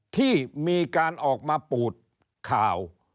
ที่มีการออกมาปูดข่าว